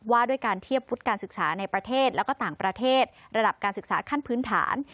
ว่าด้วยการเทียบฟุตการศึกษาในประเทศและก็ต่างประเทศระดับการศึกษาขั้นพื้นฐาน